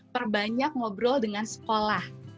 perbanyak ngobrol dengan sekolah